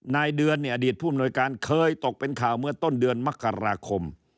นายเดือนเนี่ยอดีตผู้อำนวยการเคยตกเป็นข่าวเมื่อต้นเดือนมกราคม